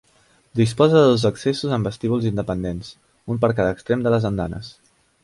Disposa de dos accessos amb vestíbuls independents, un per cada extrem de les andanes.